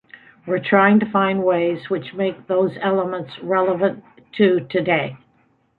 We're trying to find ways which makes those elements relevant to today.